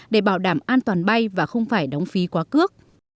để bảo đảm an toàn bay và không phải đóng phí quá cước